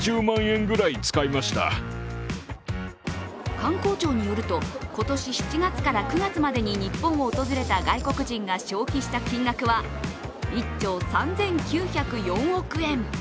観光庁によると今年７月から９月までに日本を訪れた外国人が消費した金額は一兆３９０４億円。